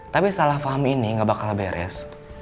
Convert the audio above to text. tapi salah paham ini gak bakal beres